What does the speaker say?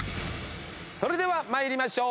それでは参りましょう。